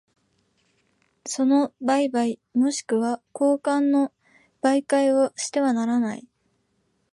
その売買若しくは交換の媒介をしてはならない。